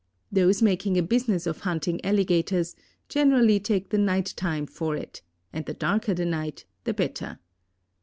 Those making a business of hunting alligators generally take the night time for it, and the darker the night, the better.